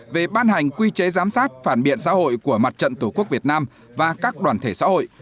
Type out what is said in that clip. về ban hành quy chế giám sát phản biện xã hội của mặt trận tổ quốc việt nam và các đoàn thể xã hội